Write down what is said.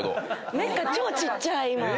メッカ超ちっちゃい。